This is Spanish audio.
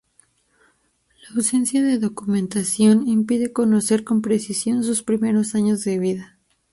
La ausencia de documentación impide conocer con precisión sus primeros años de vida.